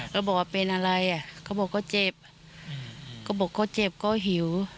ก็บอกว่าเป็นอะไรอ่ะเขาบอกก็เจ็บก็บอกก็เจ็บก็หิว